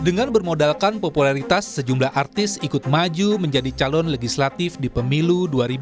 dengan bermodalkan popularitas sejumlah artis ikut maju menjadi calon legislatif di pemilu dua ribu dua puluh